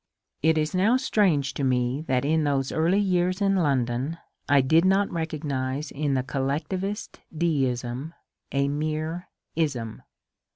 It is now strange to me that in those early years in London I did not recognize in the collectivist deism a mere ^^ ism."